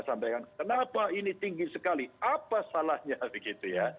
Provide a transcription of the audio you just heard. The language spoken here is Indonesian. sampaikan kenapa ini tinggi sekali apa salahnya begitu ya